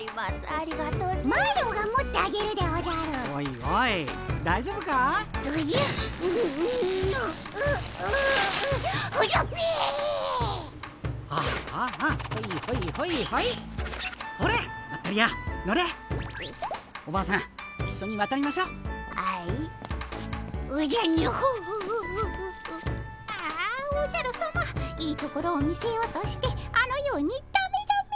ああおじゃるさまいいところを見せようとしてあのようにだめだめ。